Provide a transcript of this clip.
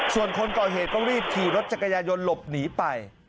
ส่วนคนก่อเหตุก็รีบขี่รถจักรยายนต์หลบหนีไป